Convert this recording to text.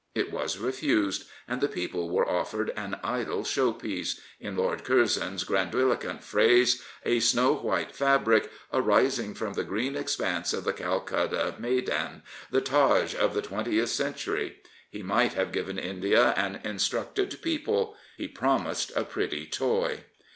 It was refused, and the people were offered an idle show place — in Lord Curzon's gran diloqu ent phrase, " a snow white fabric " arising from fE^reen expanse of the Calcutta Maidan, " the Taj of the Twentieth Century." He might have given India an instructed people: he promised it a pretty toy.